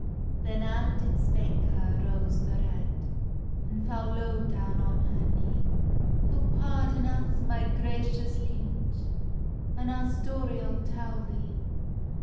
Then out it spake her, Rose the Red, An fell low down on her knee: "Oh, pardon us, my gracious liege, An our story I'll tell thee.